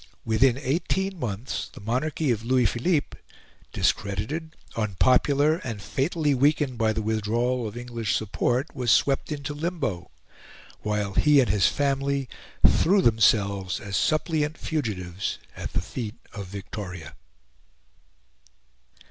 Within eighteen months the monarchy of Louis Philippe, discredited, unpopular, and fatally weakened by the withdrawal of English support, was swept into limbo, while he and his family threw themselves as suppliant fugitives at the feet of Victoria.